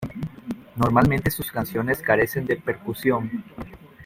Normalmente sus canciones carecen de percusión.